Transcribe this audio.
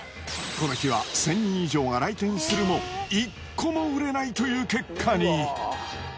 この日は１０００人以上が来店するも、１個も売れないという結果に。